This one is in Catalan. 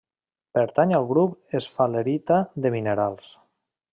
Pertany al grup esfalerita de minerals.